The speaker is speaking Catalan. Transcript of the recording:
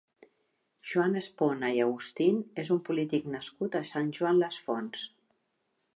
Joan Espona i Agustín és un polític nascut a Sant Joan les Fonts.